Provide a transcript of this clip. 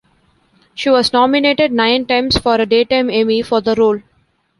She was nominated nine times for a Daytime Emmy for the role.